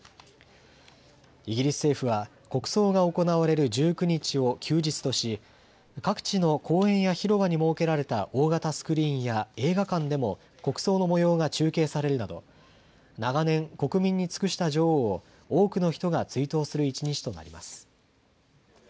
イギリス政府は国葬が行われる１９日を休日とし、各地の公園や広場に設けられた大型スクリーンや映画館でも国葬のもようが中継されるなど長年、国民に尽くした女王を多くの人が追悼する一日となります。